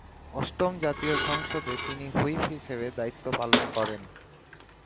অষ্টম জাতীয় সংসদের তিনি হুইপ হিসেবে দায়িত্ব পালন করেন।